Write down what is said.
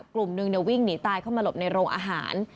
กลุ่มนึงวิ่งหนีตายเข้ามาหลบในโรงอาหาร